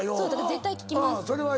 絶対聞きます。